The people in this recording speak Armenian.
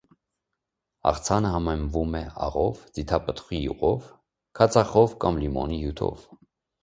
Աղցանը համեմվում է աղով, ձիթապտղի յուղով, քացախով կամ լիմոնի հյութով։